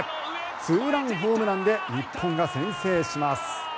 ツーランホームランで日本が先制します。